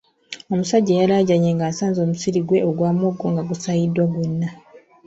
Omusajja y’alajjanye ng’asanze omusiri gwe ogwa muwongo nga gusaayiddwa gwonna.